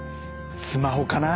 スマホかな？